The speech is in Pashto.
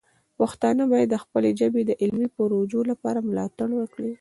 پښتانه باید د خپلې ژبې د علمي پروژو لپاره مالتړ وکړي.